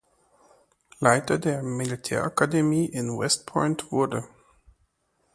Leiter der Militärakademie in West Point wurde.